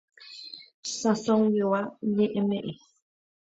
Sãsoguigua Ñe'ẽme'ẽ.